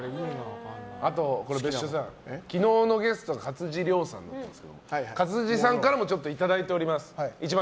あと別所さん、昨日のゲストが勝地涼さんだったんですけど勝地さんからもいただいております。